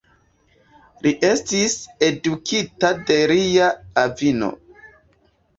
Li estis edukita de lia avino.